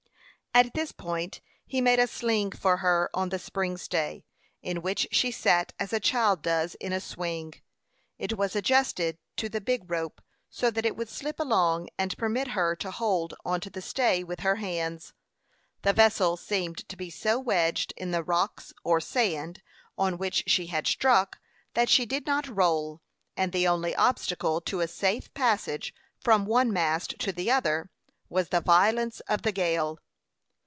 At this point he made a sling for her on the spring stay, in which she sat as a child does in a swing. It was adjusted to the big rope so that it would slip along, and permit her to hold on to the stay with her hands. The vessel seemed to be so wedged in the rocks or sand, on which she had struck, that she did not roll, and the only obstacle to a safe passage from one mast to the other, was the violence of the gale.